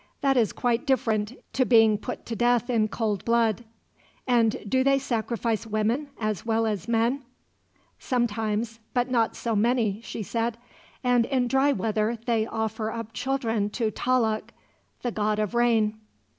That is quite different to being put to death in cold blood. And do they sacrifice women, as well as men?" "Sometimes, but not so many," she said; "and in dry weather they offer up children to Talloc, the god of rain."